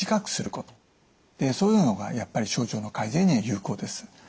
そういうのがやっぱり症状の改善には有効です。